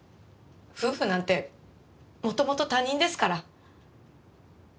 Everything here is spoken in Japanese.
夫婦なんて元々他人ですから。